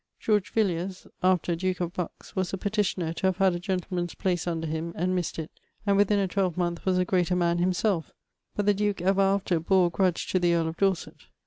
George Villiers (after, duke of Bucks) was a petioner to have had a gentleman's place under him, and miss't it, and within a 12 moneth was a greater man himselfe; but the duke ever after bore a grudge to the earl of Dorset.